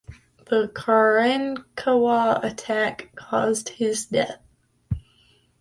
The Karankawa attack caused his death.